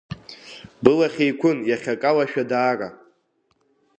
Былахь еиқәын, иахьа акалашәа даара…